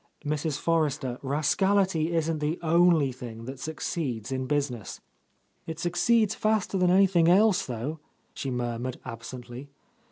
"Mrs. Forrester, rascality isn't the only thing that succeeds in business." "It succeeds faster than anything else, though," she murmured absently.